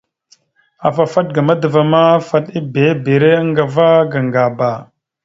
Afa fat ga madəva ma, fat ibibire aŋga ava ga Ŋgaba.